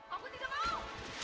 aku tidak mau